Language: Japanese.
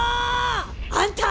あんた！